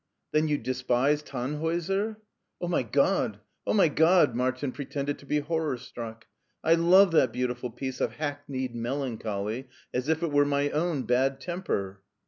'* Then you despise Tannhauser? " Oh, my God ! Oh, my God !*' Martin pretended to be horror struck. " I love that beautiful piece of hackneyed melancholy as if it were my own bad temper."